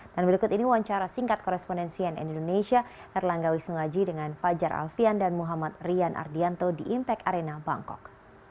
dan berikut ini wawancara singkat korespondensian indonesia erlanggawi sengaji dengan fajar alfian dan muhammad rian ardianto di impact arena bangkok